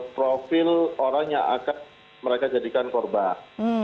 profil orang yang akan mereka jadikan korban